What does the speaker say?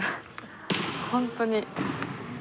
本当に。